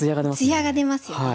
艶が出ますよね。